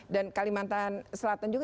dan kalimantan selatan juga